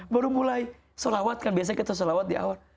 baru mulai sholawat kan biasanya kita salawat di awal